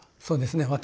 そうですね